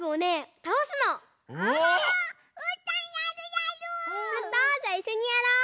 じゃあいっしょにやろう！